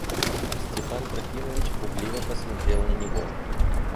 Степан Трофимович пугливо посмотрел на него.